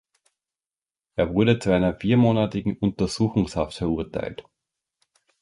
Er wurde zu einer viermonatigen Untersuchungshaft verurteilt.